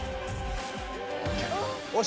よし。